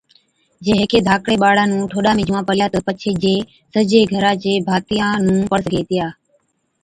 جي هيڪي ڌاڪڙي ٻاڙا نُون ٺوڏا ۾ جُوئان پلِيا تہ پڇي جي سجي گھرا چي ڀاتِيا نُون پڙ سِگھي هِتِيا